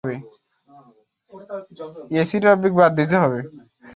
আমরা agent Stroud আর Rodriguez.